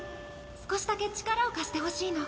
少しだけ力を貸してほしいの。